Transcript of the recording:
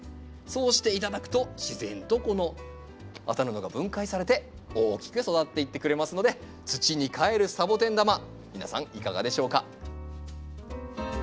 そうして頂くと自然とこの麻布が分解されて大きく育っていってくれますので土に還るサボテン玉皆さんいかがでしょうか？